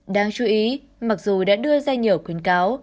đáng chú ý mặc dù đã đưa ra nhiều khuyến cáo